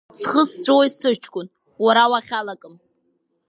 Схы сҵәуеит сыҷкәын, уара уахьалакым…